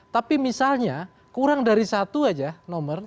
tapi misalnya kurang dari satu aja nomor